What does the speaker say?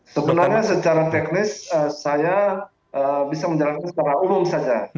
sebenarnya secara teknis saya bisa menjalankan secara umum saja